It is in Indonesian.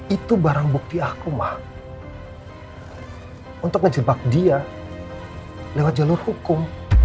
itu barang bukti aku mah untuk ngejebak dia lewat jalur hukum